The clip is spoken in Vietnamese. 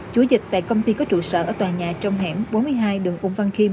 chuỗi dịch tại công ty có trụ sở ở tòa nhà trong hẻm bốn mươi hai đường úng văn kim